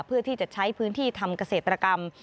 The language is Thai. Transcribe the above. เพื่อที่จะใช้พื้นที่ทำเกษตรกรรม